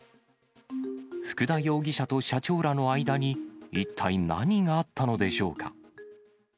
福田容疑者と社長らの間に一体何があったのでしょうか。